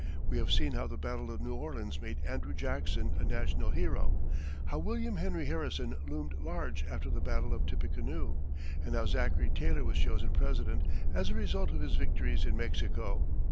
We have seen how the battle of New Orleans made Andrew Jackson a national hero, how William Henry Harrison loomed large after the battle of Tippecanoe, and how Zachary Taylor was chosen President as a result of his victories in Mexico.